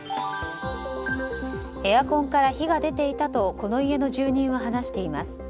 エアコンから火が出ていたとこの家の住人は話しています。